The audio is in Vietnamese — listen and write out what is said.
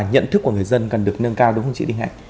nhận thức của người dân cần được nâng cao đúng không chị đinh hạnh